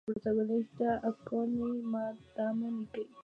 El toro de la ceremonia era de Carlos Núñez cortando una oreja.